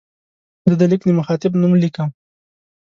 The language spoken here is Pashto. زه د لیک د مخاطب نوم لیکم.